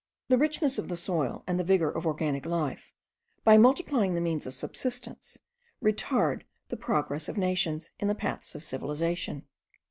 The richness of the soil, and the vigour of organic life, by multiplying the means of subsistence, retard the progress of nations in the paths of civilization.